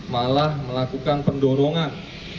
malah melakukan pendorongan